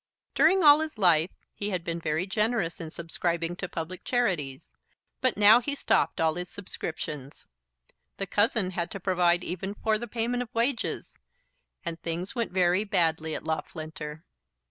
During all his life he had been very generous in subscribing to public charities; but now he stopped all his subscriptions. The cousin had to provide even for the payment of wages, and things went very badly at Loughlinter.